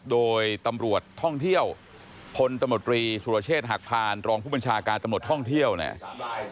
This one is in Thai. โดยตำรวจท่องเที่ยวพลตำรวจรีสุรเชษฐ์หักพานรองผู้บัญชาการตำรวจท่องเที่ยวเนี่ย